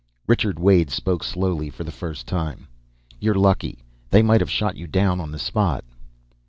Richard Wade spoke slowly, for the first time. "You're lucky. They might have shot you down on the spot."